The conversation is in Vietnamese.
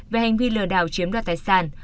về hành vi lừa đảo chiếm đoạt tài sản